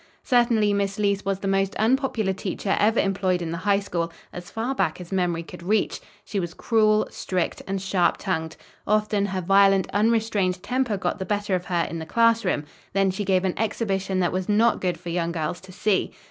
Certainly Miss Leece was the most unpopular teacher ever employed in the High School as far back as memory could reach. She was cruel, strict and sharp tongued. Often her violent, unrestrained temper got the better of her in the class room; then she gave an exhibition that was not good for young girls to see.